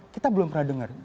kita belum pernah dengar